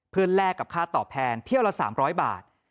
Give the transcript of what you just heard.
เพื่อแลกกับค่าตอบแทนเที่ยวละ๓๐๐บาท